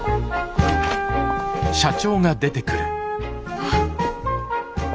あっ。